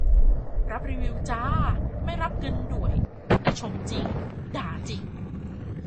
รับรีวิวจ้า ไม่รับเงินด่วย แต่ชมจริงด่าจริง